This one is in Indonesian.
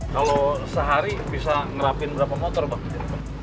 kalau sehari bisa ngerapin berapa motor pak